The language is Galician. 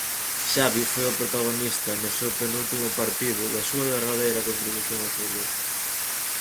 Xavi foi o protagonista no seu penúltimo partido da súa derradeira contribución ao fútbol.